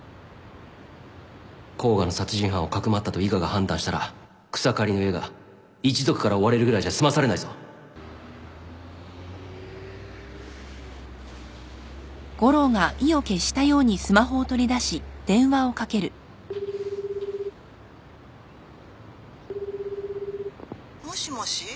甲賀の殺人犯をかくまったと伊賀が判断したら草刈の家が一族から追われるぐらいじゃ済まされないぞもしもし？